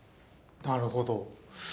なるほど。